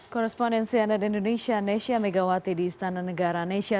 korrespondensi ann indonesia nesya megawati di istana negara nesya